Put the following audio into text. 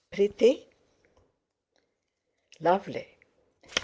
"Pretty?" "Lovely!"